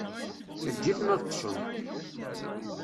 Eǧǧ-iten ad ṭṭsen.